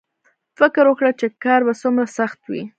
فکر وکړه چې کار به څومره سخت وي